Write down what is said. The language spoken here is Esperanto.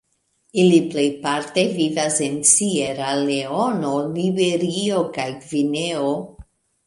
Ili plejparte vivas en Sieraleono, Liberio kaj Gvineo.